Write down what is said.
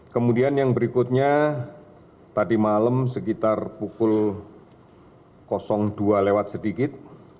kemudian yang berikutnya tadi malam sekitar pukul dua lewat sedikit